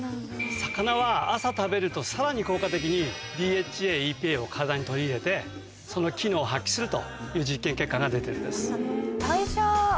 魚は朝食べるとさらに効果的にＤＨＡＥＰＡを体に取り入れてその機能を発揮するという実験結果が出てるんです。